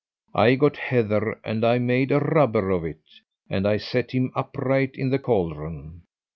I got heather and I made a rubber of it, and I set him upright in the caldron.